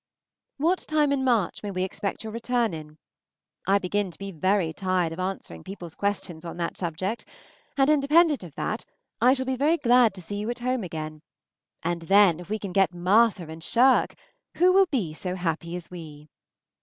What time in March may we expect your return in? I begin to be very tired of answering people's questions on that subject, and independent of that, I shall be very glad to see you at home again, and then if we can get Martha and shirk ... who will be so happy as we?